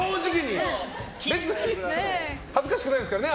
別に恥ずかしくないですからね。